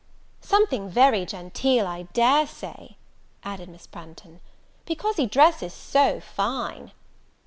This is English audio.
"Something very genteel, I dare say," added Miss Branghton, "because he dresses so fine."